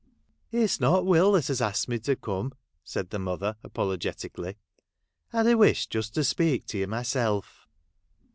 ' It 's not Will as has asked me to come,' said the mother, apologetically, 'I'd a wish just to speak to you myself